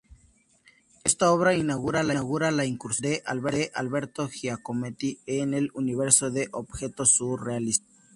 Esta obra inaugura la incursión de Alberto Giacometti en el universo del objeto surrealista.